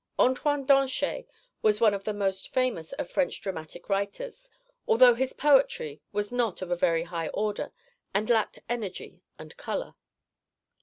Antoine Danchet was one of the most famous of French dramatic writers, although his poetry was not of a very high order and lacked energy and colour.